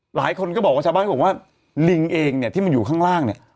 หลายคนก็บอกว่าชาวบ้านก็บอกว่าลิงเองเนี่ยที่มันอยู่ข้างล่างเนี่ย